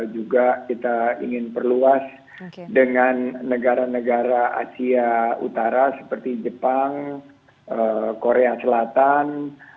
juga kita ingin perluas dengan negara negara asia utara seperti jepang korea selatan